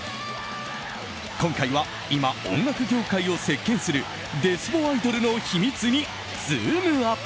今回は今、音楽業界を席巻するデスボアイドルの秘密にズームＵＰ！